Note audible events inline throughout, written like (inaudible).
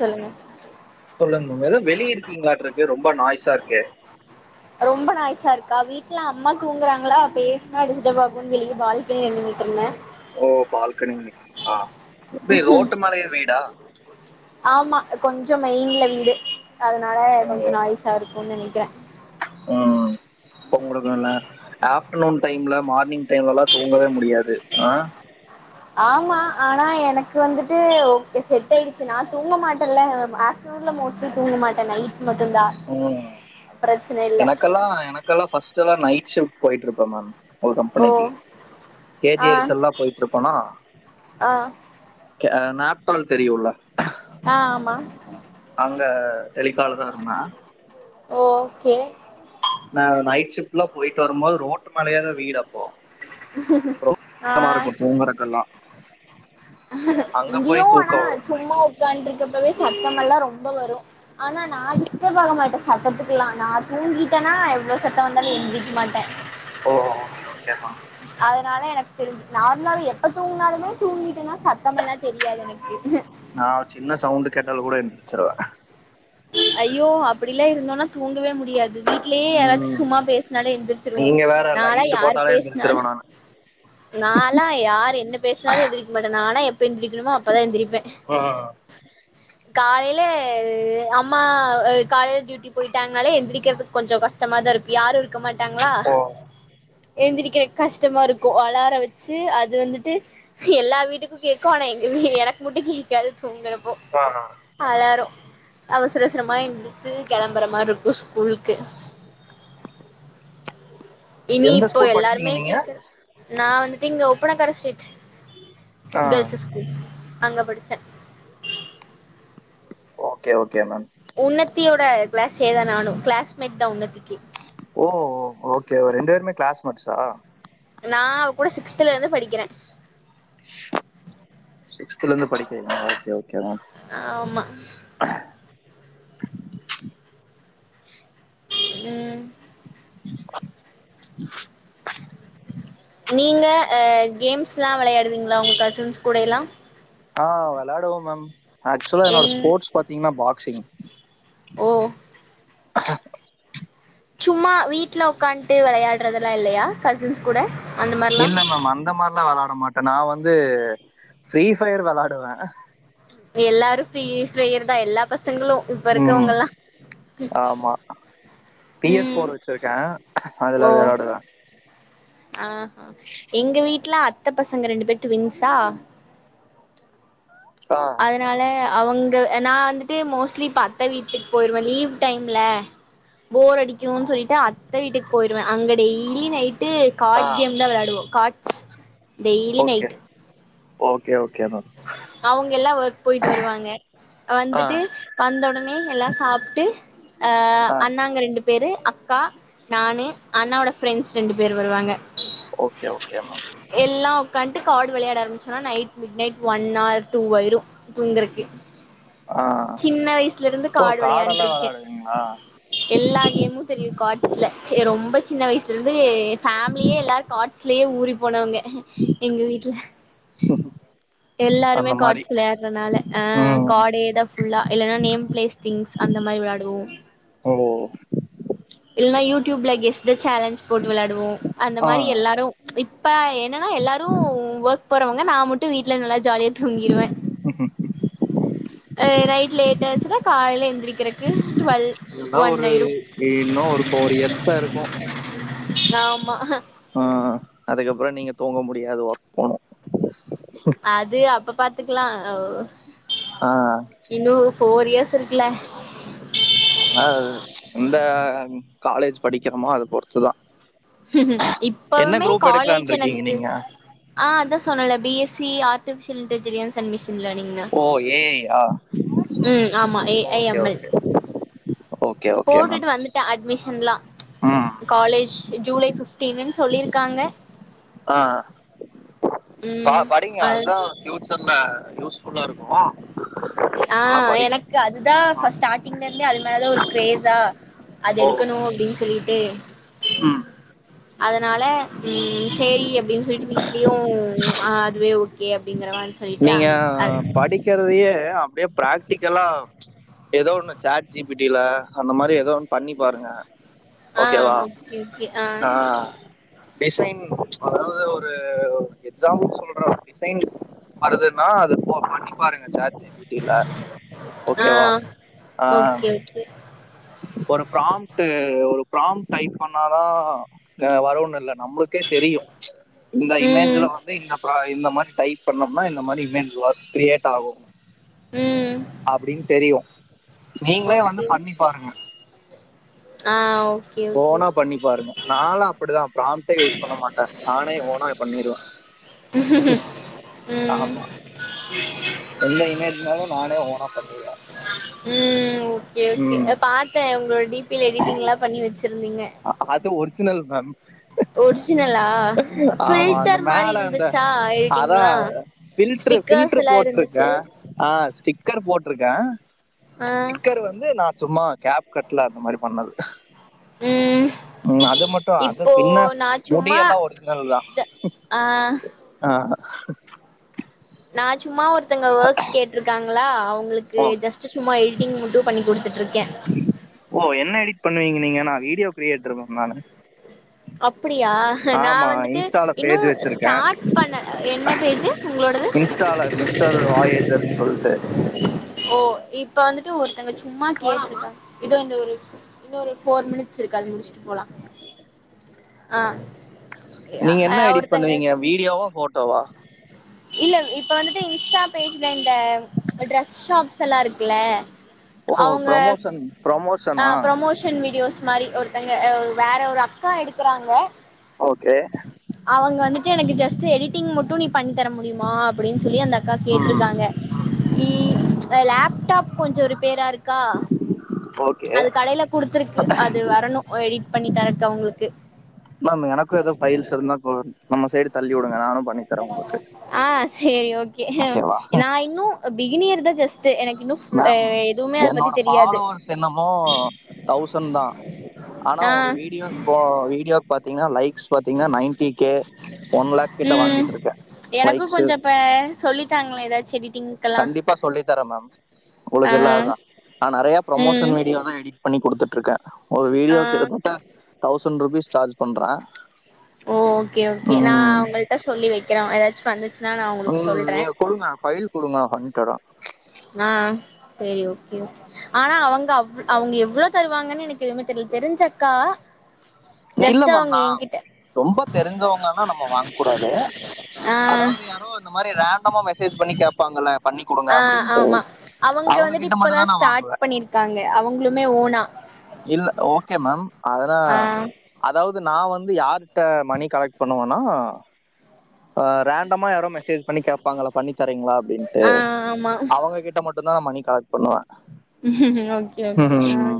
சொல்லுங்க சொல்லுங் மேம் ஏதோ வெளிய இருக்கீங்ளாட்ருக்கு ரொம்ப நாய்ஸா இருக்கே கா வீட்டுல அம்மா தூங்குறாங்களா பேஸ்னா டிஸ்டர்ப் ஆகும்னு வெளிய பால்கனில நின்னுட்டு இருந்தேன் ஓ பால்க்கனி நிக்க ஆஹ் எப்படி ரோட்டு மேலே வீடா ஆமா கொஞ்சம் மெயின்ல வீடு அதனால் கொஞ்சம் நாய்ஸாக இருக்கும்னு நினைக்கிரேன் க ம் ம் அப்ப உங்களுக்கு அங்க ஆஃப்டர்னூன் டைம்ல மார்னிங் டைம்ல தூங்கவே முடியாது ஹ ஆமா ஆனா எனக்கு வந்துட்டு ஓகே செட் ஆயிடுச்சு நான் தூங்க மாட்டேன்ல ஆப்டர்நூன்ல மோஸ்ட்லி தூங்க மாட்டேன் நைட் மட்டுந்தா உஹம் பிரச்சன இல்ல எனக்கெல்லாம் எனக்கெல்லாம்ஸ் ஃப்ஸ்டெல்லாம் நைட் ஷிப்ட் போயிட்டு இருக்கு ப்ரமேம் ஒரு ஓ கம்பெனிக்கு ஆ கேஜிஐஸ் எல்லாம் போயிட்டு இருப்போனா ஆ ஹ நாப்டோள் தெரியுள்ள ஆஹ் ஆமா அங்க தெலிக்கால தான் இருந்தே ஓகே நை் ஷிப்ட்ல போயிட்டு வரும்போது ரோட்டு மேலே தான் வீடு அப்போ சுத்தமா ஆஹ் இருக்கும் தூங்குறதுக்கெல்லாம் அங்க போய் இங்கேயும் ஆனா தூக்கம் வரும் சும்மா உட்கான்டு இருக்க இப்பவே சத்தமெல்லாம் ரொம்ப வரும் ஆனா நான் டிஸ்டர்ப ஆக மாட்டேன் சட்டத்துக்கலா நான் தூங்கிட்டேன் சத்தன்னா எவ்வளோ சத்தம் வந்தாலும் எந்திக்க மாட்டேன் எம்மா அதனால எனக்கு தெரிஞ்ச நார்மலாவ எப்ப தூங்கினாலுமே தூங்கிட்டுன்னா சத்தமல்லாம் தெரியாது எனக்கு கேட்டால கூட எந்துச்சுருவா ஐயோ அப்டிலாம் இருந்தோனா தூங்கவே முடியாது வீட்லயே யாராச்சு ம் சும்மா பேஸ்னாலே எந்திச்சிருவோம் நீங்க வேற நாளா லைட்டு யாரு போட்டாலே எந்திரிச்சிருவே பேஸ்னாலும் நானு நாலா யார் என்ன பேஸ்நாலும் எந்திரிக்க மாட்டேன் நாலா எப் எப்ப எந்திரக்கணுமோ அப்பதான் எந்திரி வேன் ஆ காலையில அம்மா காலையில டியூட்டி போயிட்டாங்கனாலே எந்திரிக்கிறதுக்கு கொஞ்சம் கஷ்டமா தான் இருக்கும் யாரும் இருக்க மாட்டேங் ட்டாங்களா ஓ எழுந்திரிக்கிற கஷ்டமா இருக்கும் அலாரம் வச்சு அது வந்துட்டு எல்லா வீட்டுக்கும் கேட்கும் ஆனால் எங்க வீ எனக்கு மட்டும் கேட்காது தூங்குறப்போ ஆ ஆ அலாரம் அவசர சரமா எழுத்துருச்சி கிளம்புற மாரி இருக்கும் ஸ்கூலுக்கு இனி எந்த இப்போ ஸ்கூல் படிச்சீங்க எல்லாருமே நீங்க கேக்குற நான் வந்துட்டு இங்க ஒப்பனக்கார ஸ்ட்ரீட் ஆ கேள்ஸ்சஸ் ஸ்கூல் அங்கபடிச்சன் ஓகே ஓகே மேம் உன்னத்தியோட கிளாஸ் ஏ தான் நானும் கிளாஸ்மேட் தான் உன்னத்திக்கு ஓ ஓகே ரெண்டு பேருமே கிளாஸ்மட்ஸா நான் அவ கூட சிக்ஸ்துலருந்து படிக்கிறேன் சிகஸ்தலிருந்து படிக்கிறீங்களா ஓகே ஆமா க (unintelligible) (unintelligible) உம் (unintelligible) நீங்க அஹ் கேம்ஸ்லாம் விளையாடுவீங்களா உங்க கசின்ஸ் கூடலாம் ஆஹ் விலையாடுவோம் மேம் ஆக்சுவலா என்னோட என் ஸ்போர்ட்சு பாத்தீங்கன்னா பாக்சிங் ஓ ஹாக் சும்மா வீட்டுல உக்காட்டு விளையாடுறதுல்லாம் இல்லையா கசின்ஸ் கூட அந்த மாரிலா இல்ல மேம் அந்த மாதிரல்லாம் விளையாட மாட்டேன் நான் வந்து வந்து ஃரீபயர் விளையாடுவேன் எல்லாரும் ஃப்ரீஃபயர் எல்லா பசங்க சங்கலும் இப்ப ம் இருக்கவங்கல்லாம் பிஎஸ் போர் வச்சிருக்கேன் அதுல விலையாடுவேன் ஆஹ் எங்க வீட்டு்ல அத் த்த பசங்க ரெண்டு பேரும் டுவின்ஸ் ஆஹா ஆ அதனால அவங்க நான் வந்துட்டு மோஸ்ட்லி அத்த வீட்டுக்கு போயிருவேன் லீவ் டைம்ல போர் அடிக்குனு சொல்லிட்டு அத்தை வீட்டுக்கு போயிருவேன் அங்க டெய்லி நைட்டு ஆ கார்ட் கேம் தான் விளையாவோம் cards daily okay night okay okay அவங்க எல்லாம் போயிட்டு வருவாங்க ஆ வந்துட்டு வந்த உடனே எல்லாம் சாப்புட்டு அஹ் ஆ அண்ணாங்க ரெண்டு பேர் அக்கா நானு அண்ணாவோட ஃப்ரெண்ட்ஸ் ரெண்டு பேரு வருவாங்க ஓகே ஓகேமா காடு வெளையாட ஆரம்பிச்சா night midnight one or two ஆயிரு தூங்கருக்கு ஆ சின்ன வயசுல இருந்து ஓ காடு கார்டெல்லாம் வெளையாண்டருக்கேன் விளாடுவீங்களா எல்லா கேமும் தெரியும் கார்ட்ஸ்ல சே ரொம்ப சின்ன வயசுல இருந்து பேஃமிலியே எல்லார் காட்ஸ்லேயே ஊரி போனவங்க எங்க வீட்ல எல்லாருமே அந்த மாதிரி கார்ட்ஸ் வெளையாடுறதுனால ஆஹ் ம் கார்டேதான் ஃபுல்லா இல்லன்னா நேம் பிளேஸ் திங்ஸ் அந்த மாரி வெளையாடுவோம் ஓ இல்லனா யூடியூப் ல கெஸ்டஸ் சேலஞ்ச் போட்டு விளையாடுவோம் அந்த ஆ மாதிரி எல்லாரும் இப் பாய நாஎல்லாரும் ஒர்க் போறவங்க நா மட்டும் வீட்ல நல்லா ஜாலியா தூங்கிருவே ஆ நைட் லேட் ஆச்சுன்னா காலைல எந் இருக்கிருக்கு இதெல்லாம் ஒரு யே இன்னு ஒரு ஃபோர் இயர்ஸ்தா இருக்கும் ஆமா ஆஹ் அதுக்கப்புற நீங்க தூங்க முடியாது ஒர்க் போகணு அது அப்ப பாத்து கத்துக்கலாம் ஆஹ் போர் இயர்ஸ் இருக்குல ஆஹ் எந்த காலேஜ் படிக்கிறோமோ அதை பொறுத்துதா இப்பவுமே காலேஜ் இருக்கீங்க எனக்கு நீங்க ஆஹ் அதான் சொன்னெல B S C C artificial intelligence and machine இல்ல நீங்க ஓ ஏஐயா உம் ஆமா A I okay M L okay okay okay ma'am போட்டுட்டு வந்துட்டேன் அட்மிஷன்லாம் ம் காலேஜ் ஜூலை பிப்த் டின்னு சொல்லிருக்காங்க ஆஹ் பா ம் படிங்க அது அதுதான் ஃபியூச்சர்ல யூஸ் ஃபுல்லாஇருக்குமா ஆஹ் எனக்கு அதுதான் ஆ ஸ்டார்ட்டிங்ல இருந்தே அது மேலதான் ஒரு கிரேஸா அது ஓ எடுக்கணும் அப்படின்னு சொல்லிட்டு ம் அதனால உஹம் சரி அப்படின்னு சொல்லிட்டு வீட்லயும் அதுவே ஓகே அப்படிங்கற மாதிரி நீங்க படிக்கிறதையே அப்படியே பிராக்டிக்கலாக ஏதோ ஒன்று சாட் ஜிபிடியில் அந்த மாதிரி ஏதோ ஒன்று பண்ணி பாருங்க ஓகேவா ஆஹ்ஓகே ஓகே ஆஹ் ஆ டிசைன் அதாவது ஒரு எக்ஸாம்பிள் சொல்ற டிசைன் வருறதுன்னா அது பண்ணி பாருங்க சாட்ஜிப்பில ஆ ஓகேவா ஆஹ் ஓகே ஓகே ஒரு பிராம்ட் ஒரு பிராம் டைப் பண்ணாதான் வரன்னு இல்லை நம்மளுக்கே தெரியும் இந்த இமேஜல ம் வந்து இந்த இந்த மாதிரி டைப் பண்ணம்னா இந்த மாதிரி இமேஜ் ஒர்க் கிரியேட் ஆகும் ம் அப்படின்னு தெரியும் நீங்களே வந்து ஓகே பண்ணி பாருங்க ஆ ஓகே ஓகே போன பண்ணி பாருங்க நானும் அப்படிதான் யூஸ் பண்ண மாட்டேன் நானே ஓனா பண்ணிருவேன் ம் ஆமா எந்த இமேஜாலும் நானே ஓனா பண்ணிருவேன் உம் ஒருடிப் எடிட்டங்லாம் பண்ணி வச்சு அது ஒரிஜினல் மேம் ஒரிஜினலா ஆமா அந்த பில்டர் மாதிரி மேல அந்த இருந்துச்சா அதான் எழுட்டீங்களா ஃபில்டர் ஸ்டிக்கர்ஸ் ஃபில்டர் எல்லாம் இருந்துச்சு இருக்கா ஆ ஸ்டிக்கர் வந்து நா சும்மா கேப் கட்ல அந்த மாதிரி பண்ணது ம் உம் அது மட்டும் அது இப்போ பின்ன நா முடிய சும்மா எல்லாம் ஒரிஜினல் தான்ஹ ஜ ஆ (inaudible) நான் சும்மா ஒருத்தங்க ஒர்க் கேட்டிருக்காங்க (unintelligible) உங்களுக்கு ஓ ஜஸ்ட்டு சும்மா எழு (unintelligible) ஓ என்ன எடிட் பண்ணுவீங்க நீங்கன்னா வீடியோ கிரியேட்டரு மேம் நானு அப் அப்டியா நா வந்துட்டு இன்ஸ்டால இன்னு பேஜ் வச்சிருக்கேன் ஸ்டார்ட் பண்ண என்ன பேஜு உங்களோடது இன்ஸ்டால மிஸ்டர் வாயேஜர்னு சொல்லிட்டு ஓ இப் இப்ப வந்துட்டு ஒருத்தங்க சும்மா கேட்ருக்காங்க இதோ இந்த ஒரு இன்னு ஒரு ஃபோர் மினிட்ஸ் இருக்கு அது முடிச்சுட்டு போலா ஆஹ் யா நீங்க ஆ என்ன எடிட் ஒருத்தங்க பண்ணுவீங்க சும்மா வீடியோவா போட்டோவா இல்ல இப்ப வந்துட்டு இன்ஸ்டா பேஜ்ல இந்த ட்ரெஸ் ஷாப்ஸ்லா இருக்குல்ல ஓ அவங்க ப்ரமோஷன் ஆ ப்ரமோஷனா ப்ரமோஷன் வீடியோஸ் மாரி ஒருத்தங்க அ வேற ஒரு அக் க்கா எடுக்கறாங்க ஓகே அவங்க வந்துட்டு எனக்கு ஜ ஸ்ட் எடிட்டிங் மட்டு நீ பண்ணித்தர முடியுமா அப்டின் சொல்லி அந்த அக்கா கேட்ருக்காங்க நீ அ லேப்டாப் கொஞ்ச ரிப்பேரா இருக் க்கா ஓகே அது கடையில குடுத்துருக்கு அது வரணு எடிட் பண்ணி தரட்டு அவங்களுக் மேம் எனக்கும் ஏதோ ஃபைல்ஸ் இருந்தா ப்போ நம்ம சைடு தள்ளி விடுங்க நானும் பண்ணி தரேன் உங்களுக்கு ஆஹ் சேரி ஓகே ஓகேவா நா இன்னு பிகினியர் த ஜஸ் மேம் என்னோட தெரியாது ஃபாலோவர்ஸ் என்னமோ தௌசண்தா ஆனா ஆ ஒரு வீடியோ ப்போ வீடியோக் பாத்தீங்கன்னா லைக் ஸ் பாத்தீங்கனா நைன்ட்டி கே ஒன்லேக் கிட்ட ம் வாங்கிட்டு இருக்கே எனக்கு லைக்ஸு கொஞ்சோ இப்ப சொல்லித்தாங்களே ஏதாச்சு எடிட்டிங்க்கெல்லா கண்டிப்பா சொல்லித் தரே மேம் உங்களுக்கு ஆ இல்லாததா நா நெறைய ம் ப்ரமோஷன் வீடியோதா எடிட் பண் ண்ணி குடுத்துட்ருக்கே ஒரு ஆ வீடியோ கிட்டத்தட்ட தௌசண்ட் ருபீஸ் சார்ஜ் பண்றே ஓ ஓகே ஓகே நா ம் அவுங்கள்ட்ட சொல்லி வைக்கிறே ஏதாச்சும் வந்துச் உம் நீங்க குடுங்க ஃபைல் குடுங்க பண்ணித்தறோம் ஆஹ் செரி ஓகே ஆனா அவங்க அவ் அவங்க எவ்ளவு தருவாங்கன்னு எனக்கு எதுமே தெரியல தெரிஞ்சக்கா இல்ல ஜஸ்ட் மேம் அவங்க நா என்கிட்ட ரொம்ப தெரிஞ்சவங்கன்னா நம்ம வாங்க கூடாது ஆ அதாவது யாரோ இந்த மாரி ரேண்டமா மெசேஜ் பண்ணி கேப்பாங்கல்ல பண்ணி குடுங்க ஆஹ் அப்டின்ட்டு ஆமா அவங்க வந்துட்டு கிட்ட மட்டு தா இப்பதான் நா ஸ்டார்ட் வாங்குவே பண்ணிருக்காங்க அவங்களுமே ஓனா இல்ல ஓகே மேம்அததா அத ஆ அதாவது நான் வந்து யாரிட்ட மணி கலெக்ட் பண்ணுவேனா ஆஹ ரண்டமா யாரோ மெசஜ் பண்ணி கேப் பாங்கள் பண்ணி தரிங்களா அப்டின்ட்டு ஆ ஆமா அவங்க கிட்ட மட்டும் தான் மணி கலெக்ட் பண்ணுவேன் உம் ஓகே ஓகே ஆஹ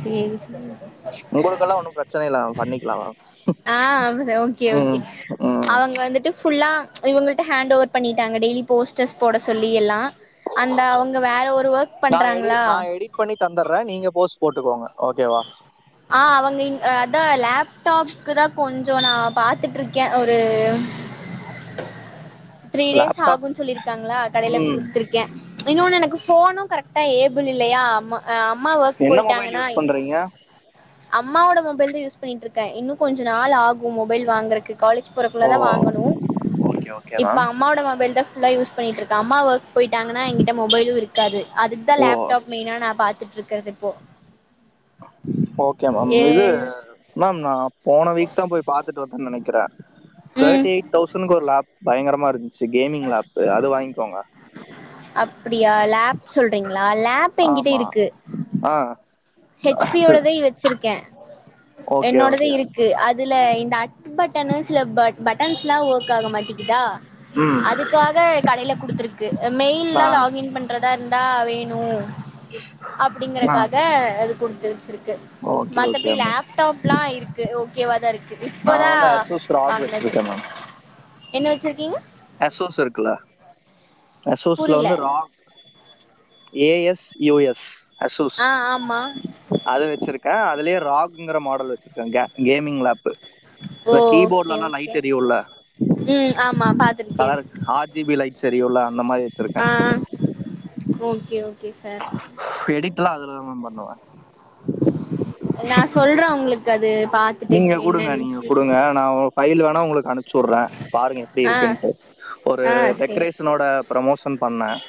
சரி உங்களுக்கெல்லாம் ஒண்ணும் பிரச்சனை இல்ல பண்ணிக்கலாம் ஆ ஓகே மேம் ஓகே உம் உம் இவங்கள்ட ஹேண்ட் ஓவர் பண்ணிட்டாங்க டெய்லி போஸ்டர்ஸ் போட சொல்லி எல்லாம் அந்த அவங்க வேற ஒரு ஒர்க் நான் எடி பண்றாங்களா நான் எடிட் பண்ணி தந்துடுறேன் நீங்க போஸ்ட் போட்டுக்கோங்க ஓகேவா ஆஹ் அவங்க அதான் லேப்டாப்க்கு தான் கொஞ்சே சோ நான் பார்த்துட்டுருக்கேன் ஒரு த்ரீ டேஸ் லேப்டாப் ஆகுன்னு சொல்லியிருக்காங்களா கடைல ம் குடுத்துருக்கேன் இன்னொன்னு எனக்கு போனும் கரெக்ட் டா ஏபிள் இல்லையா ஆமா அம்மா ஒர்க் என்ன மொபைல் போயிட்டாங்கன்னா யூஸ் பண்றீங்க அம்மாவோட மொபைல் யூஸ் பண்ணிட்டுற்றுக் இன்னும் கொஞ்சம் நாள் ஆகும் மொபைல் வாங்குறக்கு காலேஜ் போறக்குள்ள ஓ தான் வாங்கணும் ஓகே ஓகே இப்போ மேம் அம்மாவோட மொபைல் தான் எல்லாம் யூஸ் பண்ணிட்டு இருக்கா அம்மாவ போயிட்டாங்கன்னா எங்கிட்ட மொபைலும் இருக்காது அதுக்கு தான் ஓ லேப்டாப் மெயினா நான் பார்த்துட்டு இருக்கிறது இப்போ ஓகே மேம் ஏ இது மேம் நான் போன வீக் தான் போய் பாத்துட்டு வந்தேனு நினைக்கிறேன் ம் தேர்டி எயிட் தௌசண் ஒரு லாப் பயங்கரமா இருந்துச்சு கேமிங் லேப் அது வாங்கிக்கோங்க அப் அப்படியா லேப் சொல்றீங்களா லேப் எங்கிட்ட ஆமா இருக்கு ஆ ஹெச்பியோடதே வச்சிருக்கேன் ஓகே என்னோடதே ஓகே இருக்கு அது அதுல இந்த அ சில பட்டஸ் ஒர்க் ஆக மாட்டிக்கதா ம் அதுக்காக கடையில குத்துருக்கு நா மெயில்யெல்லாம் லாகின் பண்றதா இரு ட வேணு ஆ அப்படிங்கறக்காக அது கொடுத்த இருக்கு ஓகே படி ஓகே மேம் லேப்டாப் எல்லாம் இருக்கு ஓகே ஒகேவா தா இருக் நா இப்பதான் வந்து வந்தது அசூஸ் இருக்குல அசூஸ்ல புரில வந்து ராக ஏ எஸ் ஏஎஸ் அசூஸ் ஆ ஆமா அது வச்சிருக்கேன் அதுலே ராக்ங்கிற மாடல் வச்சிருக்க கேமிங் லப் ஓ ஓகே ஓகே எரியும்ல உம் கலர் ஆ ஜிபி லைட் சரியுலா அந்த மாதிரி வச்சிருக்கே ஆ ஓகே ஓகே சார் எடிட் எலாம் அதுலதான் மேம் பண்ணுவேன் நான் சொல்றேன் உங்களுக்கு கது நீங்க குடுங்க நீங்க குடுங்க நான் பைல் வேணா உங்களுக்கு அனுப்ச்சி விடுறேன் பாருங்க எப்படி ஆ இருக்குன்ட்டு ஒரு ஆ சேரி டெக்கரேஷனோட ப்ரமோஷன் பண்ணேன்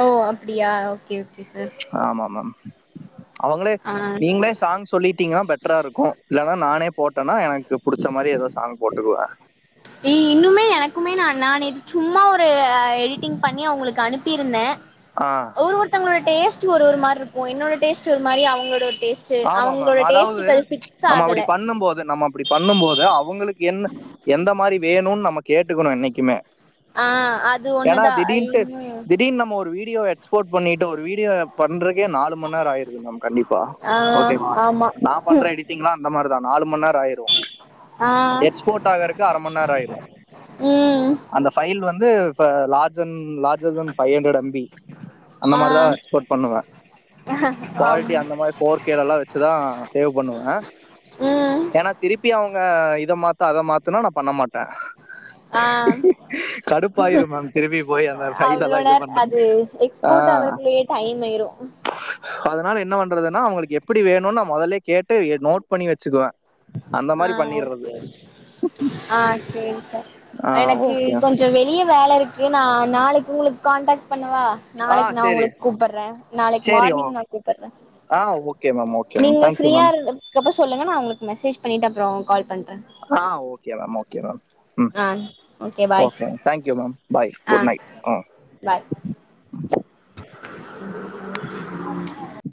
ஓ அப்டியா ஓகே சார் ஆமா மேம் (inaudible) அவங்களே ஆ நீங்களே சாங் சொல்லிட்டீங்கன்னா பெட்டரா இருக்கும் இல்லனா நானே போட் இல்லன்னா எனக்கு பிடிச்ச மாதிரி ஏதோ சாங் போட்டுக்குவேன் ஏய் இன்னுமே எனக்குமே நான் நான் இது சும்மா ஒரு எடிட்டிங் பண்ணி அவங்களுக்கு அனுப்பியிருந்தேன் ஆஹ் ஒரு ஒருத்தோங்களோட டேஸ்ட் ஒரு ஒரு மாரி இருக்கும் என்னோட டேஸ்ட் ஒரு மாரி அவங்களோட டேஸ்ட் ஆமா அவங்களோட மேம்அதாவது டேஸ்ட்டுக்கு அது ஃபிக்ஸ் நம்ம ஆகல அப்படி பண்ணும் போது நம்ம அப்படி பண்ணும் போது அவங்களுக்கு என்ன எந்த மாதிரி வேணும்னு நம்ம கேட்டுக்கணும் என்னைக்குமே ஆஹ் அது ஏன்னா ஒண்ணுதான் திடீர்னுட்டு இன்னும் திடீர்னு நம்ம ஒரு எக்ஸ்போர்ட் பண்ணிட்டு ஒரு வீடியோ பண்றதுக்கு அதுக்கே நாலு மணி நேரம் ஆயிருது மேம் கண்டிப்பா ஆ ஓகேவா ஆமா நான் பண்ற ம் எடிட்டிங்லாம் அந்த மாதிரிதான் நாலு மணிநேரம் ஆயிரும் ஆ எக்ஸ்போர்ட் ஆகுறக்கு அரைமணி நேரம் ஆயிரும் ம் அந்த பையில் வந்து இப்ப லாஜன் லஜ பைவ் ஹண்ட்ரட் அம்பி அந்த ஆ மாதிரி தான் எக்ஸ்போர்ட் பண்ணுவன் ஆம் குவாலிட்டி அந்த மாதிரி போ கேட்டல்லாம் வச்சுதான் சேவ் பண்ணுவேன் ம் ஏன்னா திருப்பி அவங்க இத மாத்து அத மாத்துன்னா நான் பண்ண மாட்டேன் ஆஹ் கடுப்பாயிரும் மேம் திருப்பி போய் அந்த ஃபைல் அவ்வளோ எல்லாம் இது நேர பண்றது அது எக்ஸ்போர்ட் ஆஹ் ஆகுறக்குள்ளயே டைம் ஆயிரும் அதனால என்ன பண்றதுன்னா அவங்களுக்கு எப்போ எப்படி வேணும் நான் முதலே கேட்டு நோட் பண்ணி வச்சுக்குவேன் அந்த மாதிரி ஆஹ பண்ணிடுறது ஓகே ஆஹ சேரி சார் ஆ எனக்கு ஓகே கொஞ்சம் வெளிய வேலை இருக்கு நா நாளைக்கு உங்களுக்கு காண்டக்ட்டு பண்ண வா ஆ நாளைக்கு நான் சரி உங்களுக்கு கூப்பிடுறேன் நாளைக்கு சரி ஓ மார்னிங் நான் கூப்பிடுறேன் ஆ ஓகே மேம் ஓகே மேம் நீங்க தேங்க்யூ ஃப்ரீயா மேம் இரு அப்பறம் சொல்லங்க நான் உங்களுக்கு மெசேஜ் பண்ணிட்டுப்புறம் கால் பன்றேன் ஆஹ ஓகே மேம் ஓகே மேம் ம் ஆ okay bye okay thank you ma'am bye ஆ குட் நைட் பாய் (unintelligible)